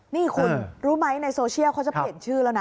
นี่คุณรู้ไหมในโซเชียลเขาจะเปลี่ยนชื่อแล้วนะ